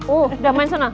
udah main senang